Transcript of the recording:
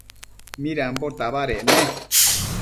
Midambo tabadec ne?